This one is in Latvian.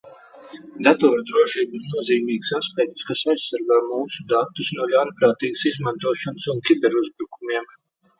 Datoru drošība ir nozīmīgs aspekts, kas aizsargā mūsu datus no ļaunprātīgas izmantošanas un kiberuzbrukumiem.